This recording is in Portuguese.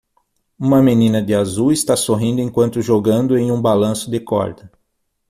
Uma menina de azul está sorrindo enquanto jogando em um balanço de corda.